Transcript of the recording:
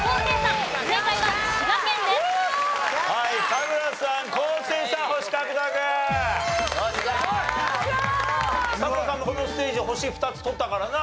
田村さんもこのステージ星２つ取ったからな。